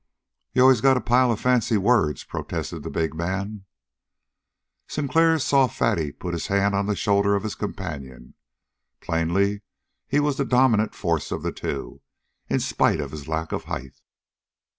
"You always got a pile of fancy words," protested the big man. Sinclair saw Fatty put his hand on the shoulder of his companion. Plainly he was the dominant force of the two, in spite of his lack of height.